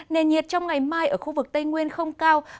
nền nhiệt trong ngày mai ở khu vực tây nguyên không cao